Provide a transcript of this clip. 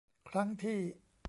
ครั้งที่